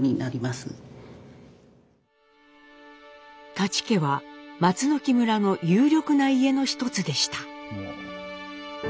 舘家は松木村の有力な家の一つでした。